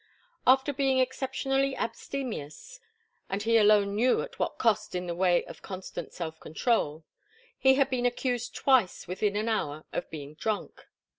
After being exceptionally abstemious, and he alone knew at what a cost in the way of constant self control, he had been accused twice within an hour of being drunk.